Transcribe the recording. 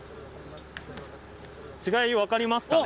違い分かりますかね？